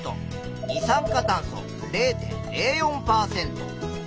二酸化炭素０．０４％。